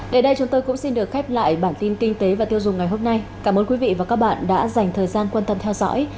để đây chúng tôi cũng xin được khép lại bản tin kinh tế và tiêu dùng ngày hôm nay cảm ơn quý vị đã theo dõi và hẹn gặp lại